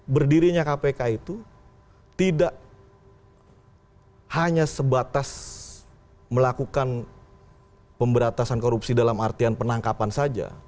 berdirinya kpk itu tidak hanya sebatas melakukan pemberantasan korupsi dalam artian penangkapan saja